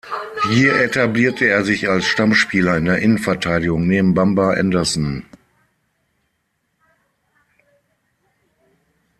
Hier etablierte er sich als Stammspieler in der Innenverteidigung neben Bamba Anderson.